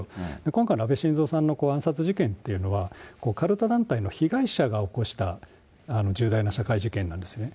今回の安倍晋三さんの暗殺事件というのは、カルト団体の被害者が起こした重大な社会事件なんですね。